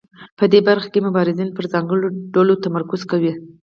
په دې برخه کې مبارزین پر ځانګړو ډلو تمرکز کوي.